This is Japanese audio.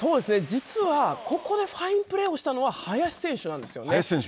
実は、ここでファインプレーをしたのは、林選手なんですよね。